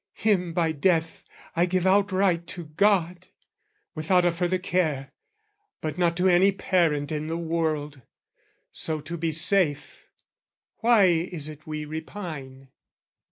Him, by death, I give Outright to God, without a further care, But not to any parent in the world, So to be safe: why is it we repine?